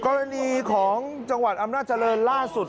กรณีของจังหวัดอำนาจริงล่าสุด